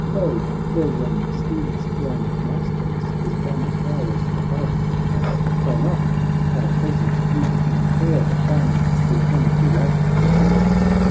Lo ! where yon steeds run masterless, His banner towers above the press. Rein up; our presence would impair The fame we come too late to share."